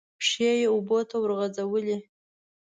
پښې یې اوبو ته ورغځولې.